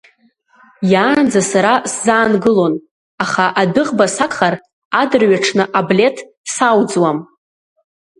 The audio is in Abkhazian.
Иаанӡа сара сзаангылон, аха адәыӷба сагхар, адырҩаҽны аблеҭ сауӡуам.